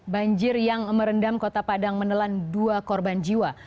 banjir yang merendam kota padang menelan dua korban jiwa